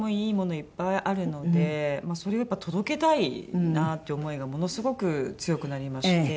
いっぱいあるのでそれをやっぱ届けたいなっていう思いがものすごく強くなりまして。